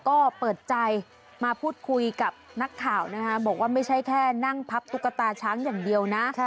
ก็เปิดใจมาพูดคุยกับนักข่าวนะคะบอกว่าไม่ใช่แค่นั่งพับตุ๊กตาช้างอย่างเดียวนะ